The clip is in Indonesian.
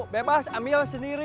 lima bebas ambil sendiri